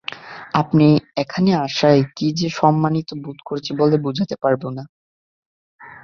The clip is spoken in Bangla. আপনি এখানে আসায় কী যে সম্মানিত বোধ করছি বলে বোঝাতে পারব না!